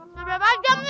berapa jam nih